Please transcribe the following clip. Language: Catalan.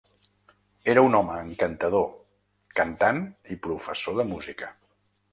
Era un home encantador, cantant i professor de música.